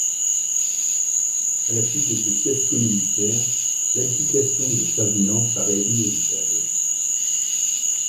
À la suite de ce fiasco militaire, l’abdication de Ferdinand paraît inévitable.